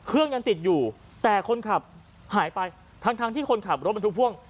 ยังติดอยู่แต่คนขับหายไปทั้งทั้งที่คนขับรถบรรทุกพ่วง